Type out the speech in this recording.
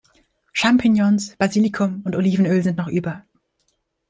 Champignons, Basilikum und Olivenöl sind noch über.